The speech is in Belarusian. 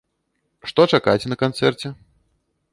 Што чакаць на канцэрце?